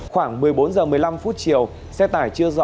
khoảng một mươi bốn h một mươi năm phút chiều xe tải truyền thông